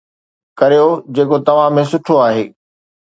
ڪريو جيڪو توهان ۾ سٺو آهي